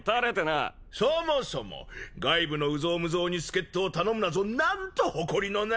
そもそも外部の有象無象に助っ人を頼むなぞなんと誇りのない！